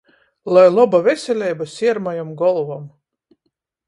Lai loba veseleiba siermajom golvom!